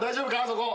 そこ。